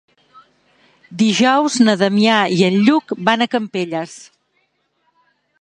Dijous na Damià i en Lluc van a Campelles.